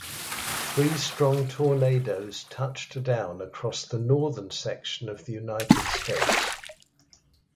Three strong tornadoes touched down across the northern section of the United States.